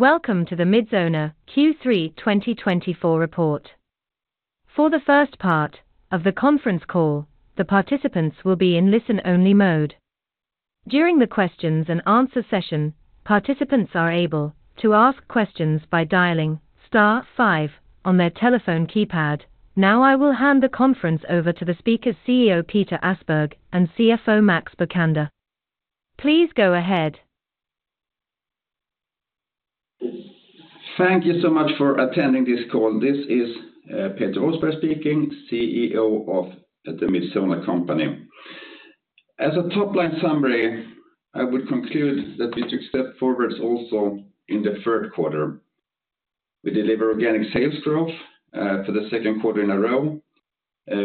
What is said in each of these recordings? Welcome to the Midsona Q3 2024 report. For the first part of the conference call, the participants will be in listen-only mode. During the questions and answer session, participants are able to ask questions by dialing star five on their telephone keypad. Now, I will hand the conference over to the speakers, CEO Peter Åsberg, and CFO, Max Bokander. Please go ahead. Thank you so much for attending this call. This is, Peter Åsberg speaking, CEO of the Midsona Company. As a top-line summary, I would conclude that we took step forwards also in the third quarter. We deliver organic sales growth for the second quarter in a row.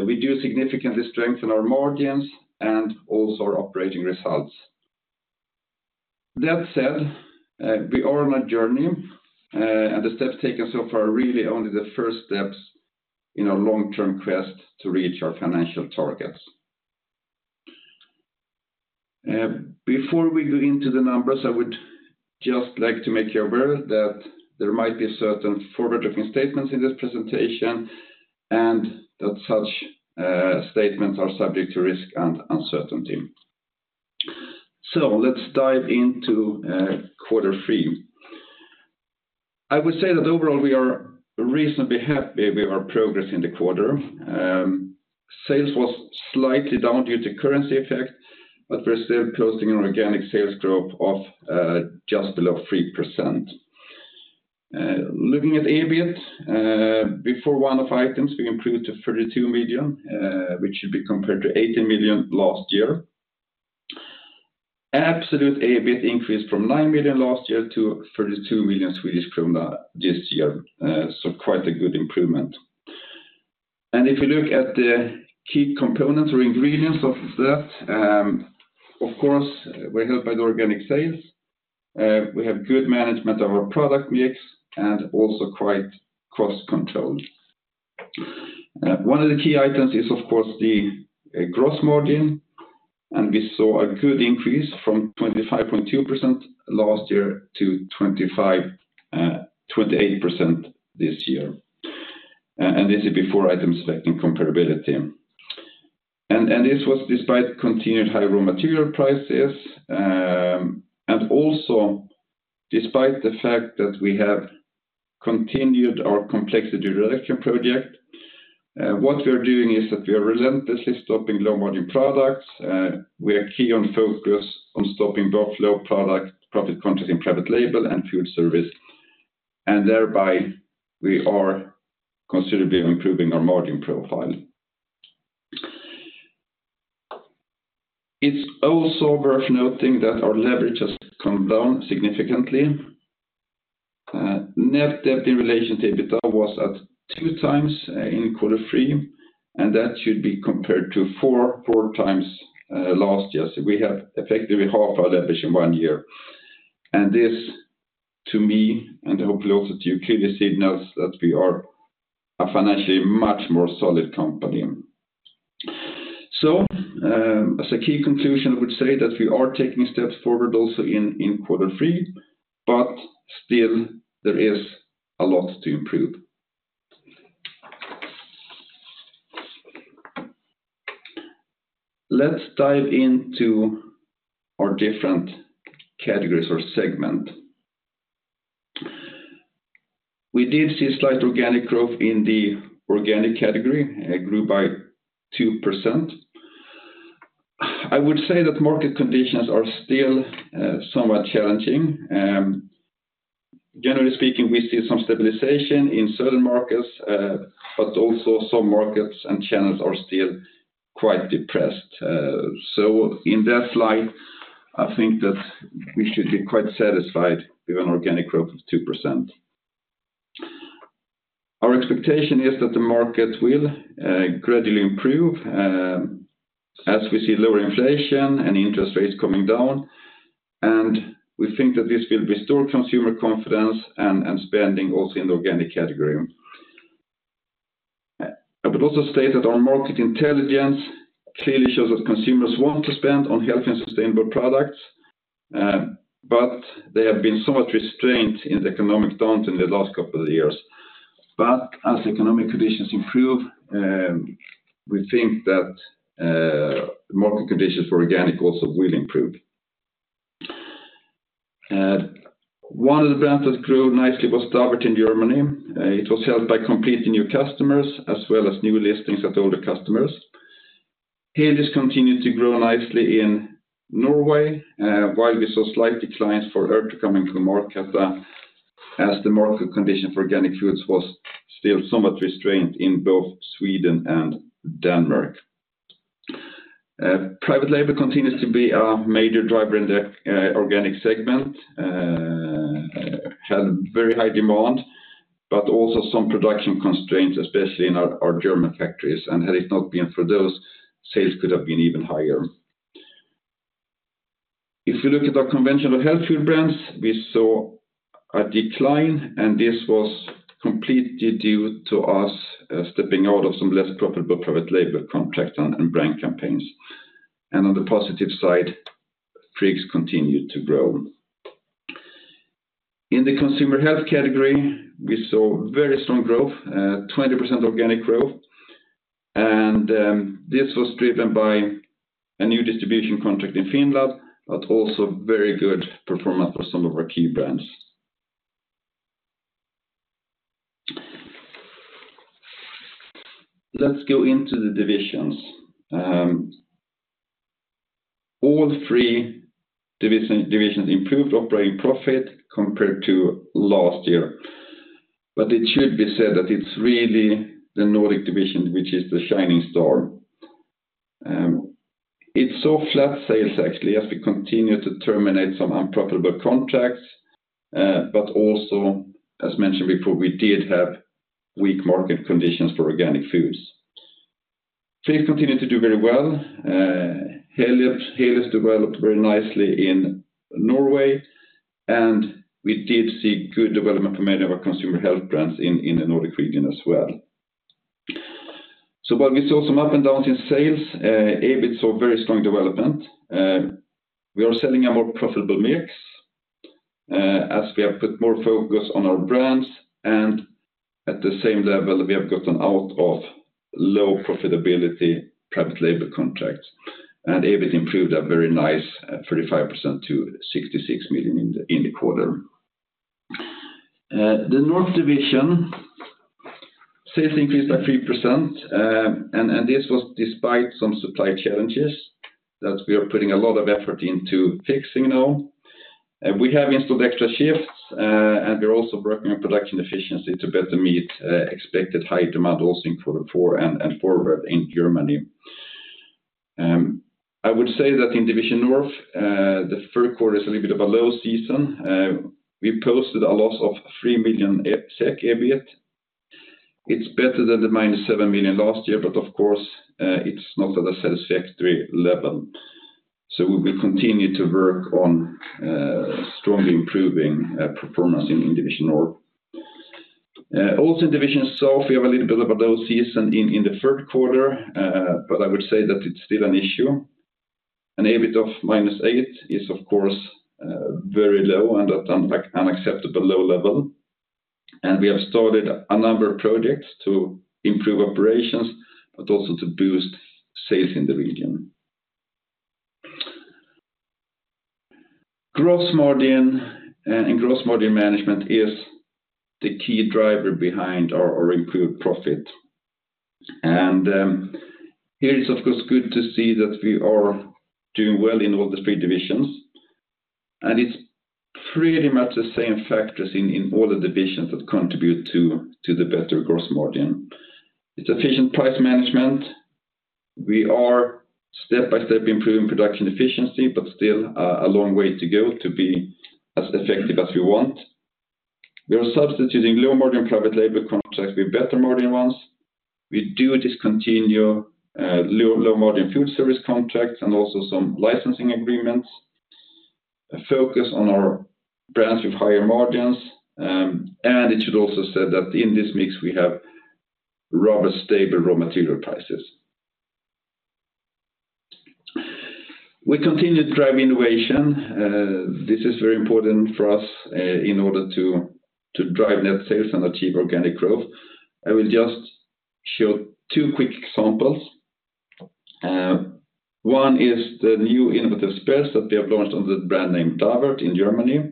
We do significantly strengthen our margins and also our operating results. That said, we are on a journey, and the steps taken so far are really only the first steps in our long-term quest to reach our financial targets. Before we go into the numbers, I would just like to make you aware that there might be certain forward-looking statements in this presentation, and that such statements are subject to risk and uncertainty. So let's dive into quarter three. I would say that overall, we are reasonably happy with our progress in the quarter. Sales was slightly down due to currency effect, but we're still posting an organic sales growth of just below 3%. Looking at EBIT before one-off items, we improved to 32 million, which should be compared to 18 million last year. Absolute EBIT increased from 9 million last year to 32 million Swedish krona this year, so quite a good improvement. If you look at the key components or ingredients of that, of course, we're helped by the organic sales. We have good management of our product mix, and also quite cost control. One of the key items is, of course, the gross margin, and we saw a good increase from 25.2% last year to 25%, 28% this year. This is before items affecting comparability. This was despite continued high raw material prices, and also despite the fact that we have continued our complexity reduction project. What we are doing is that we are relentlessly stopping low-margin products. We are key on focus on stopping both low product, profit content and private label and food service, and thereby, we are considerably improving our margin profile. It's also worth noting that our leverage has come down significantly. Net debt in relation to EBITDA was at two times in quarter three, and that should be compared to four times last year. We have effectively half our leverage in one year. This, to me, and hopefully also to you, clearly signals that we are a financially much more solid company. So, as a key conclusion, I would say that we are taking steps forward also in quarter three, but still there is a lot to improve. Let's dive into our different categories or segment. We did see slight organic growth in the organic category, grew by 2%. I would say that market conditions are still somewhat challenging. Generally speaking, we see some stabilization in certain markets, but also some markets and channels are still quite depressed. So in that slide, I think that we should be quite satisfied with an organic growth of 2%. Our expectation is that the market will gradually improve, as we see lower inflation and interest rates coming down, and we think that this will restore consumer confidence and spending also in the organic category. I would also state that our market intelligence clearly shows that consumers want to spend on health and sustainable products, but they have been somewhat restrained in the economic downturn in the last couple of years. But as economic conditions improve, we think that market conditions for organic also will improve. One of the brands that grew nicely was Davert in Germany. It was helped by completely new customers, as well as new listings at older customers. Helios continued to grow nicely in Norway, while we saw slight declines for Earth coming to market, as the market condition for organic foods was still somewhat restrained in both Sweden and Denmark. Private label continues to be a major driver in the organic segment, had very high demand, but also some production constraints, especially in our German factories, and had it not been for those, sales could have been even higher. If you look at our conventional health food brands, we saw a decline, and this was completely due to us stepping out of some less profitable private label contracts and brand campaigns... and on the positive side, Friggs continued to grow. In the consumer health category, we saw very strong growth, 20% organic growth, and this was driven by a new distribution contract in Finland, but also very good performance for some of our key brands. Let's go into the divisions. All three divisions improved operating profit compared to last year, but it should be said that it's really the Nordic division, which is the shining star. It saw flat sales actually, as we continue to terminate some unprofitable contracts, but also, as mentioned before, we did have weak market conditions for organic foods. Friggs continued to do very well. Helios developed very nicely in Norway, and we did see good development from many of our consumer health brands in the Nordic region as well. While we saw some up and down in sales, EBIT saw very strong development. We are selling a more profitable mix, as we have put more focus on our brands, and at the same level, we have gotten out of low profitability private label contracts, and EBIT improved a very nice 35% to 66 million SEK in the quarter. The North division sales increased by 3%, and this was despite some supply challenges that we are putting a lot of effort into fixing now. We have installed extra shifts, and we're also working on production efficiency to better meet expected high demand also in quarter four and forward in Germany. I would say that in Division North, the third quarter is a little bit of a low season. We posted a loss of 3 million SEK EBIT. It's better than the minus 7 million last year, but of course, it's not at a satisfactory level, so we will continue to work on strongly improving performance in Division North. Also in Division South, we have a little bit of a low season in the third quarter, but I would say that it's still an issue. An EBIT of minus 8 million is, of course, very low and at a like unacceptable low level, and we have started a number of projects to improve operations, but also to boost sales in the region. Gross margin and gross margin management is the key driver behind our improved profit. Here it's, of course, good to see that we are doing well in all the three divisions, and it's pretty much the same factors in all the divisions that contribute to the better gross margin. It's efficient price management. We are step by step improving production efficiency, but still, a long way to go to be as effective as we want. We are substituting low-margin private label contracts with better margin ones. We do discontinue low-margin food service contracts and also some licensing agreements, a focus on our brands with higher margins, and it should also said that in this mix, we have rather stable raw material prices. We continue to drive innovation, this is very important for us, in order to drive net sales and achieve organic growth. I will just show two quick examples. One is the new innovative spreads that we have launched under the brand name Davert in Germany,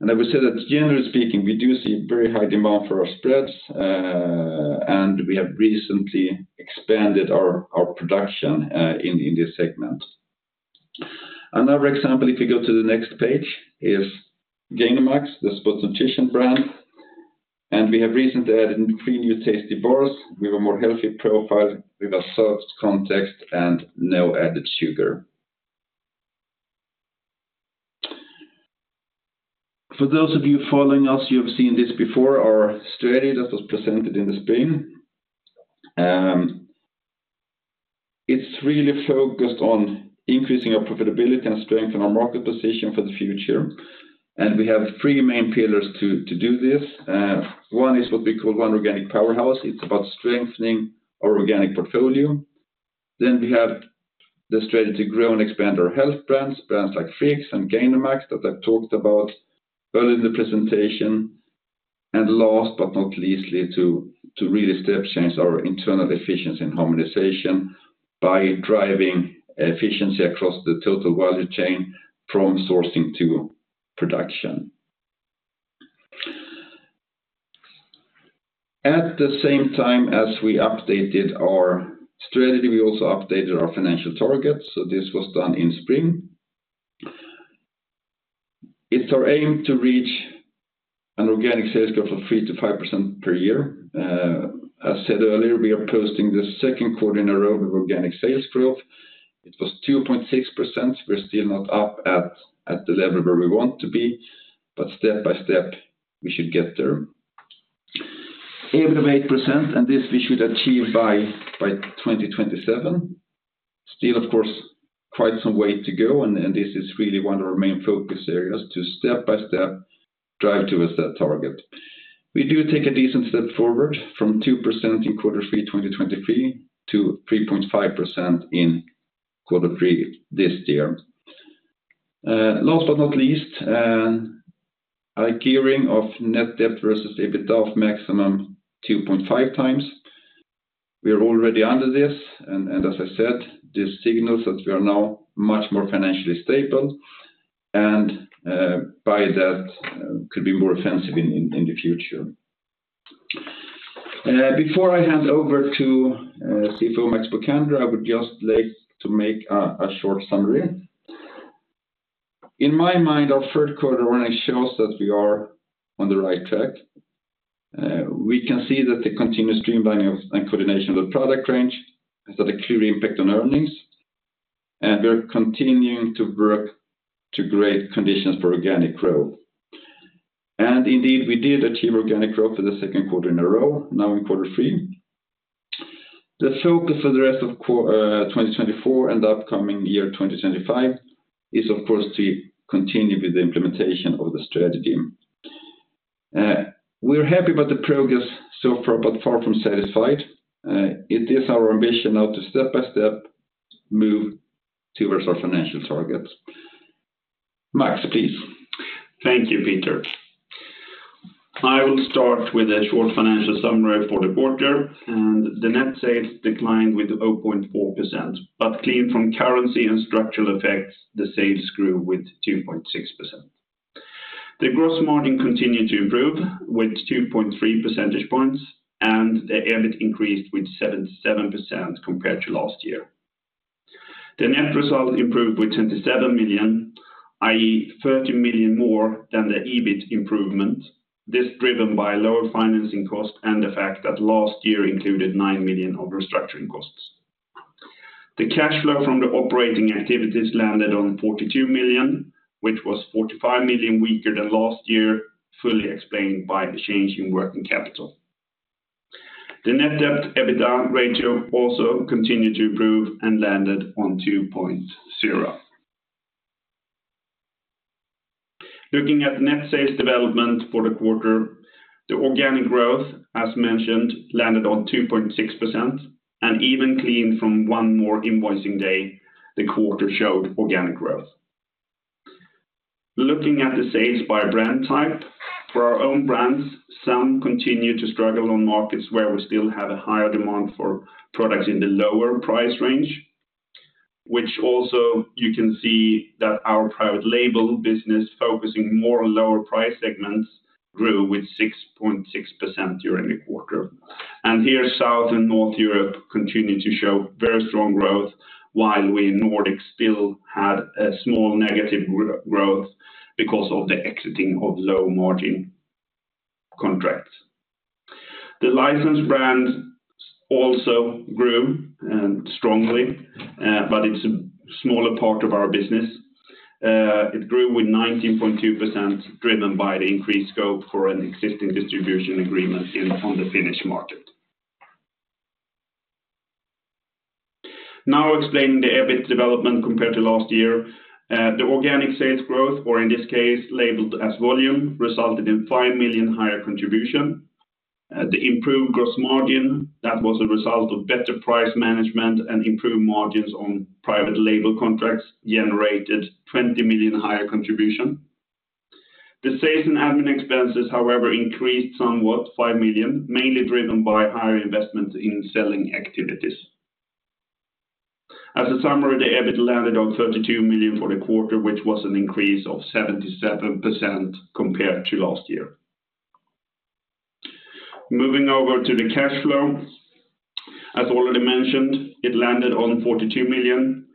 and I would say that generally speaking, we do see very high demand for our spreads, and we have recently expanded our production in this segment. Another example, if you go to the next page, is Gainomax, the sports nutrition brand, and we have recently added three new tasty bars with a more healthy profile, with a soft texture and no added sugar. For those of you following us, you have seen this before, our strategy that was presented in the spring. It's really focused on increasing our profitability and strengthen our market position for the future, and we have three main pillars to do this. One is what we call One Organic Powerhouse. It's about strengthening our organic portfolio. We have the strategy to grow and expand our health brands, brands like Friggs and Gainomax, that I talked about early in the presentation. Last but not least, to really step change our internal efficiency and harmonization by driving efficiency across the total value chain from sourcing to production. At the same time as we updated our strategy, we also updated our financial targets, so this was done in spring. It's our aim to reach an organic sales growth of 3%-5% per year. As said earlier, we are posting the second quarter in a row with organic sales growth. It was 2.6%. We're still not up at the level where we want to be, but step by step, we should get there. EBIT of 8%, and this we should achieve by 2027. Still, of course, quite some way to go, and this is really one of our main focus areas, to step by step, drive towards that target. We do take a decent step forward from 2% in quarter 2023 to 3.5% in quarter three this year. Last but not least, a gearing of net debt versus EBITDA of maximum 2.5 times. We are already under this, and as I said, this signals that we are now much more financially stable and by that, could be more offensive in the future. Before I hand over to CFO Max Bokander, I would just like to make a short summary. In my mind, our third quarter earnings shows that we are on the right track. We can see that the continuous streamlining of, and coordination of, the product range has had a clear impact on earnings, and we are continuing to work to create conditions for organic growth. Indeed, we did achieve organic growth for the second quarter in a row, now in quarter three. The focus for the rest of 2024 and the upcoming year, 2025, is, of course, to continue with the implementation of the strategy. We're happy about the progress so far, but far from satisfied. It is our ambition now to step-by-step move towards our financial targets. Max, please. Thank you, Peter Åsberg. I will start with a short financial summary for the quarter, and the net sales declined with 0.4%, but clean from currency and structural effects, the sales grew with 2.6%. The gross margin continued to improve with 2.3 percentage points, and the EBIT increased with 77% compared to last year. The net result improved with 27 million, i.e., 30 million more than the EBIT improvement. This driven by lower financing costs and the fact that last year included 9 million of restructuring costs. The cash flow from the operating activities landed on 42 million, which was 45 million weaker than last year, fully explained by the change in working capital. The net debt EBITDA ratio also continued to improve and landed on 2.0. Looking at net sales development for the quarter, the organic growth, as mentioned, landed on 2.6%, and even cleaned from one more invoicing day, the quarter showed organic growth. Looking at the sales by brand type, for our own brands, some continued to struggle on markets where we still have a higher demand for products in the lower price range, which also you can see that our private label business, focusing more on lower price segments, grew with 6.6% during the quarter. And here, South and North Europe continued to show very strong growth, while we in Nordic still had a small negative growth because of the exiting of low-margin contracts. The licensed brands also grew strongly, but it's a smaller part of our business. It grew with 19.2%, driven by the increased scope for an existing distribution agreement on the Finnish market. Now, explaining the EBIT development compared to last year. The organic sales growth, or in this case, labeled as volume, resulted in 5 million higher contribution. The improved gross margin, that was a result of better price management and improved margins on private label contracts, generated 20 million higher contribution. The sales and admin expenses, however, increased somewhat, 5 million, mainly driven by higher investments in selling activities. As a summary, the EBIT landed on 32 million for the quarter, which was an increase of 77% compared to last year. Moving over to the cash flow. As already mentioned, it landed on 42 million,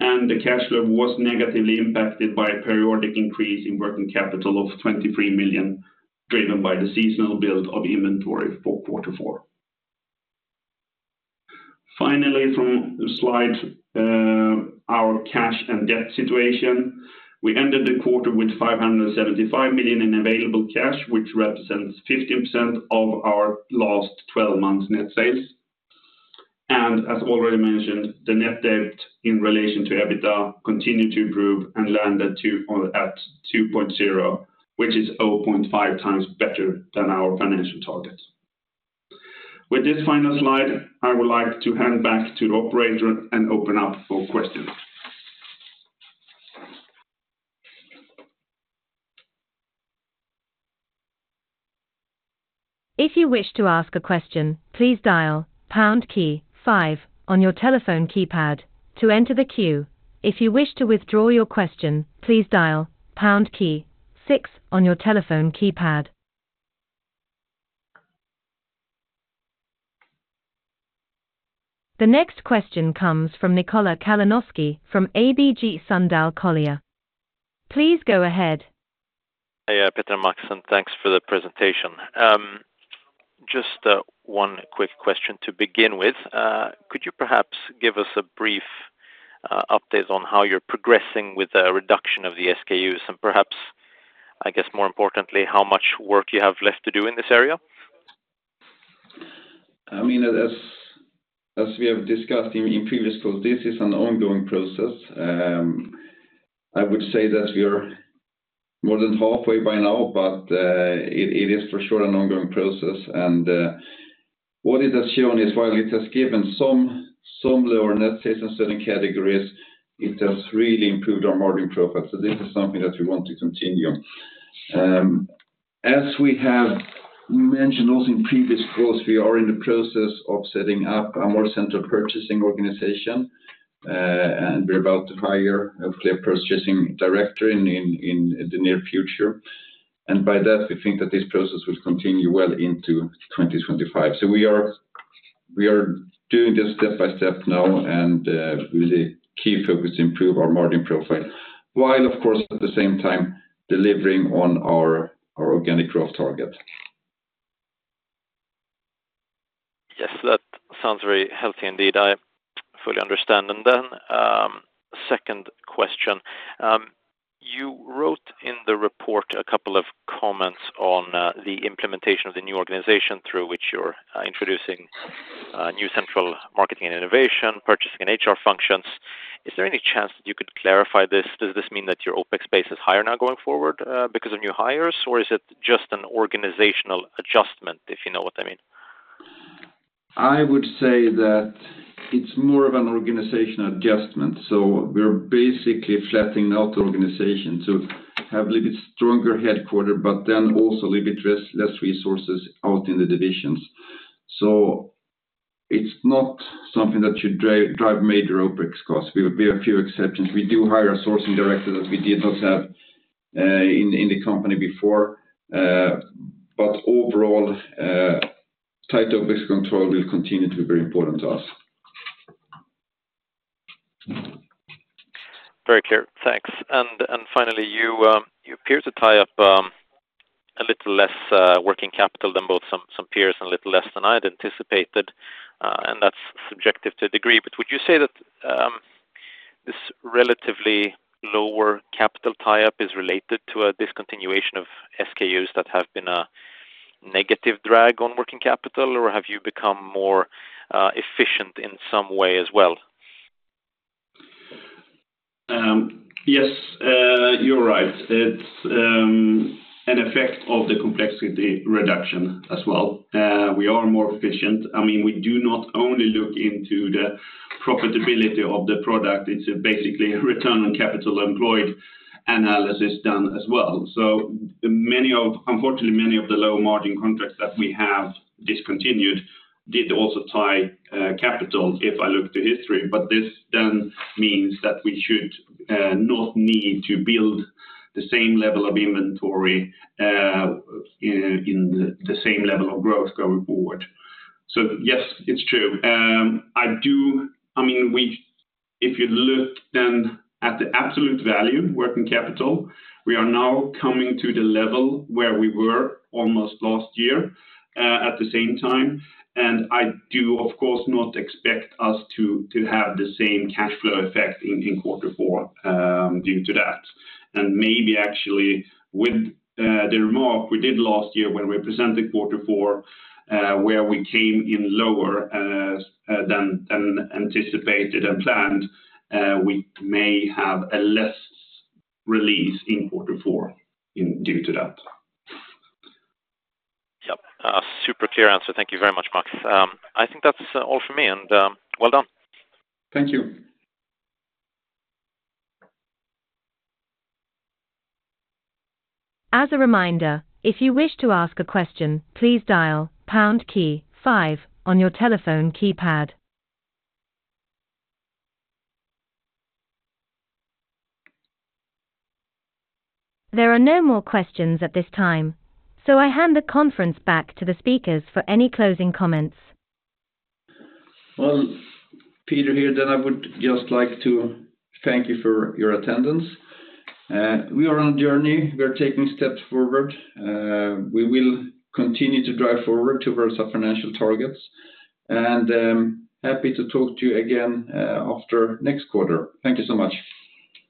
and the cash flow was negatively impacted by a periodic increase in working capital of 23 million, driven by the seasonal build of inventory for quarter four. Finally, from the slide, our cash and debt situation. We ended the quarter with 575 million in available cash, which represents 15% of our last twelve months net sales. And as already mentioned, the net debt in relation to EBITDA continued to improve and landed at 2.0, which is 0.5 times better than our financial target. With this final slide, I would like to hand back to the operator and open up for questions. If you wish to ask a question, please dial pound key five on your telephone keypad to enter the queue. If you wish to withdraw your question, please dial pound key six on your telephone keypad. The next question comes from Nikola Kalanoski from ABG Sundal Collier. Please go ahead. Hi, Peter and Max, and thanks for the presentation. Just, one quick question to begin with. Could you perhaps give us a brief update on how you're progressing with the reduction of the SKUs? And perhaps, I guess more importantly, how much work you have left to do in this area? I mean, as we have discussed in previous calls, this is an ongoing process. I would say that we are more than halfway by now, but it is for sure an ongoing process, and what it has shown is while it has given some lower net sales in certain categories, it has really improved our margin profile, so this is something that we want to continue. As we have mentioned also in previous calls, we are in the process of setting up a more central purchasing organization, and we're about to hire a central purchasing director in the near future, and by that, we think that this process will continue well into twenty twenty-five. We are doing this step by step now, with a key focus to improve our margin profile, while, of course, at the same time delivering on our organic growth target. Yes, that sounds very healthy indeed. I fully understand. And then, second question. You wrote in the report a couple of comments on the implementation of the new organization through which you're introducing new central marketing and innovation, purchasing and HR functions. Is there any chance that you could clarify this? Does this mean that your OpEx space is higher now going forward because of new hires? Or is it just an organizational adjustment, if you know what I mean? I would say that it's more of an organizational adjustment, so we're basically flattening out the organization to have a little bit stronger headquarters, but then also a little bit less resources out in the divisions, so it's not something that should drive major OpEx costs. We have a few exceptions. We do hire a sourcing director that we did not have in the company before, but overall, tight OpEx control will continue to be very important to us. Very clear. Thanks. And finally, you appear to tie up a little less working capital than both some peers and a little less than I'd anticipated, and that's subjective to a degree. But would you say that this relatively lower capital tie-up is related to a discontinuation of SKUs that have been a negative drag on working capital, or have you become more efficient in some way as well? Yes, you're right. It's an effect of the complexity reduction as well. We are more efficient. I mean, we do not only look into the profitability of the product, it's basically a return on capital employed analysis done as well. Unfortunately, many of the low margin contracts that we have discontinued did also tie capital, if I look to history, but this then means that we should not need to build the same level of inventory in the same level of growth going forward, so yes, it's true. I mean, we. If you look then at the absolute value working capital, we are now coming to the level where we were almost last year, at the same time, and I do, of course, not expect us to have the same cash flow effect in quarter four, due to that. And maybe actually, with the remark we did last year when we presented quarter four, where we came in lower than anticipated and planned, we may have a less release in quarter four due to that. Yep. Super clear answer. Thank you very much, Max. I think that's all from me, and well done. Thank you. As a reminder, if you wish to ask a question, please dial pound key five on your telephone keypad. There are no more questions at this time, so I hand the conference back to the speakers for any closing comments. Peter here, then I would just like to thank you for your attendance. We are on a journey. We are taking steps forward. We will continue to drive forward towards our financial targets, and happy to talk to you again after next quarter. Thank you so much.